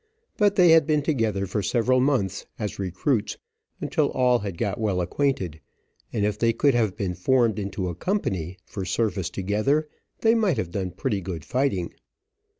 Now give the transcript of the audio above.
But they had been together for several months, as recruits, until all had got well acquainted, and if they could have been formed into a company, for service together, they might have done pretty good fighting.